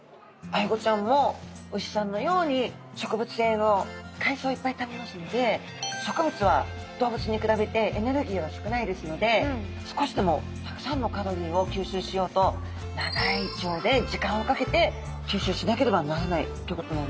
アイゴちゃんも牛さんのように植物性の海藻をいっぱい食べますので植物は動物に比べてエネルギーが少ないですので少しでもたくさんのカロリーを吸収しようと長い腸で時間をかけて吸収しなければならないということなんですね。